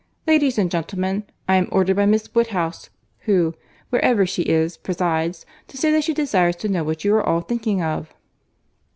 Ladies and gentlemen, I am ordered by Miss Woodhouse (who, wherever she is, presides) to say, that she desires to know what you are all thinking of?"